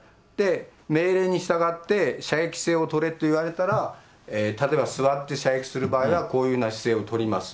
命令に従って、射撃姿勢を取れって言われたら、例えば座って射撃する場合にはこういうような姿勢を取ります。